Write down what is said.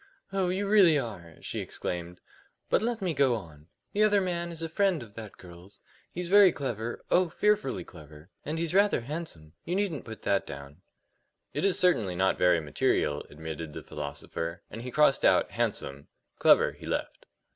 "Oh, you really are " she exclaimed. "But let me go on. The other man is a friend of the girl's: he's very clever oh, fearfully clever and he's rather handsome. You needn't put that down." "It is certainly not very material," admitted the philosopher, and he crossed out "handsome"; "clever" he left.